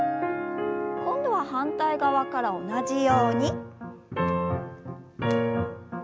今度は反対側から同じように。